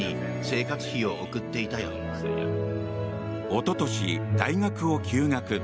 おととし、大学を休学。